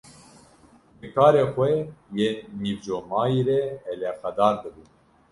Bi karê xwe yê nîvcomayî re eleqedar dibû.